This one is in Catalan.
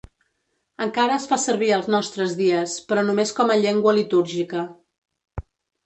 Encara es fa servir als nostres dies, però només com a llengua litúrgica.